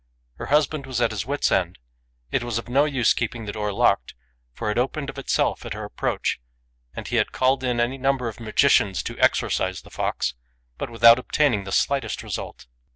Her husband was at his wits' end. It was no use keeping the door locked, for it opened of itself at her approach ; and he had called in any num ber of magicians to exorcise the fox, but without obtaining the slightest result.